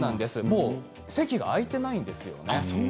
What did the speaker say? もう席が空いてないんですよね。